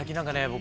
僕